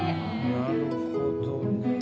なるほどね。